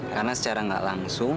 karena secara gak langsung